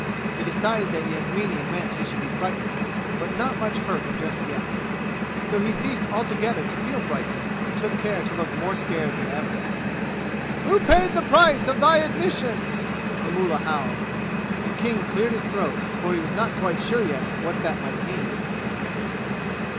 He decided that Yasmini meant he should be frightened, but not much hurt just yet. So he ceased altogether to feel frightened and took care to look more scared than ever. "Who paid the price of thy admission?" the mullah howled, and King cleared his throat, for he was not quite sure yet what that might mean.